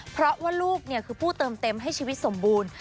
เพราะว่าลูกคือผู้เติมเต็มให้ชีวิตสมบูรณ์